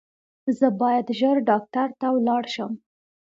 زه باید ژر ډاکټر ته ولاړ شم